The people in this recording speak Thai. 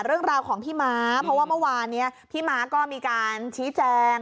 เรื่องราวของพี่ม้าเพราะว่าเมื่อวานนี้พี่ม้าก็มีการชี้แจง